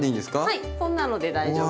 はいこんなので大丈夫。